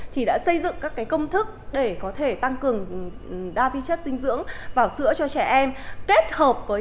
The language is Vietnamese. thì đã xây dựng các công thức để có thể tăng cường đa vi chất dinh dưỡng vào sữa cho trẻ em kết hợp với